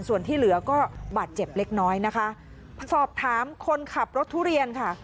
ส่วนที่เหลือก็บาดเจ็บเล็กน้อยนะคะสอบถามคนขับรถทุเรียนค่ะ